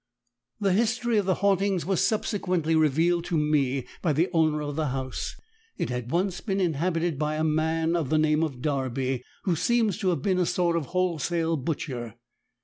The history of the hauntings was subsequently revealed to me by the owner of the house. It had once been inhabited by a man of the name of Darby, who seems to have been a sort of wholesale butcher.